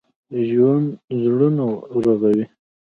ژوندي زړونه رغوي